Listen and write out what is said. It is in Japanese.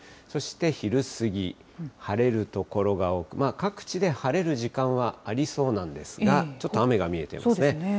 そして、昼過ぎ、晴れる所が多く、各地で晴れる時間はありそうなんですが、ちょっと雨が見えてますね。